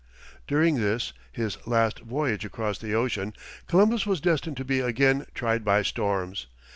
During this, his last voyage across the ocean, Columbus was destined to be again tried by storms.